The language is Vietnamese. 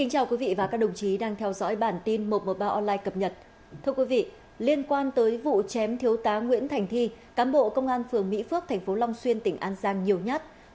hãy đăng ký kênh để ủng hộ kênh của chúng mình nhé